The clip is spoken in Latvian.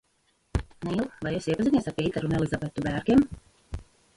Nīl, vai esi iepazinies ar Pīteru un Elizabeti Bērkiem?